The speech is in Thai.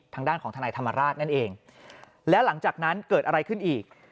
ทางด้านของทนายธรรมราชนั่นเองแล้วหลังจากนั้นเกิดอะไรขึ้นอีก